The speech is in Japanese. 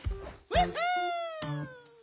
フッフー！